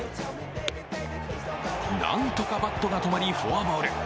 なんとかバットが止まりフォアボール。